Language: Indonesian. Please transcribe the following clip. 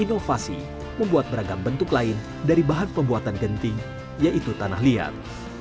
inovasi membuat beragam bentuk lain dari bahan pembuatan genting yaitu tanah liat